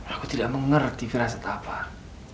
aku tidak mengerti rasa takut